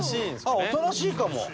あっおとなしいかも。